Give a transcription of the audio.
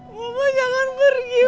papa jangan pergi